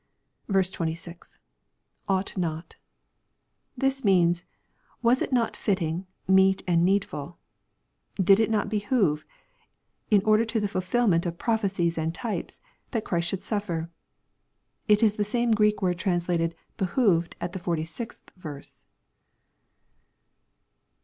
26. — [Ought not.'\ This means, " was it not fitting, meet, and need ful ;"—" did it not behove," in order to the fulfihnent of prophe cies and types, that Christ should suflfer ? It is the same Greek word translated " behoved," at the 46th verse.